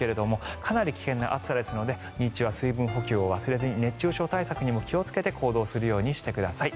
かなり危険な暑さですので日中は水分補給を忘れずに熱中症対策にも気をつけて行動するようにしてください。